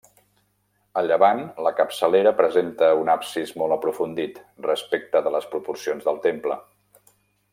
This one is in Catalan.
A llevant, la capçalera presenta un absis molt aprofundit, respecte de les proporcions del temple.